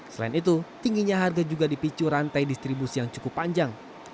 selain itu tingginya harga juga dipicu rantai distribusi yang cukup panjang